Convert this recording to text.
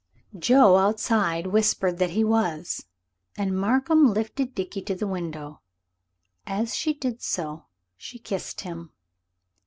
Joe, outside, whispered that he was. And Markham lifted Dickie to the window. As she did so she kissed him.